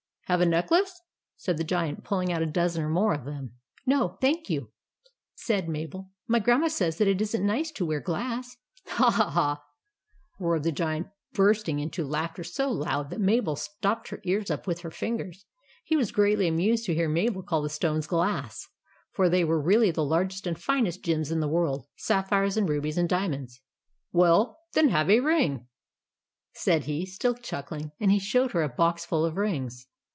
"HAVE A NECKLACE?" said the Giant, pulling out a dozen or more of them. THE GIANT'S CASTLE 177 " No, thank you," said Mabel. " My Grandma says that it is n't nice to wear glass." " HA, HA, HA !" roared the Giant, burst ing into laughter so loud that Mabel stopped her ears up with her fingers. He was greatly amused to hear Mabel call the stones glass, for they were really the largest and finest gems in the world, — sapphires and rubies and diamonds. "WELL, THEN, HAVE A RING," said he, still chuckling ; and he showed her a box full of rings.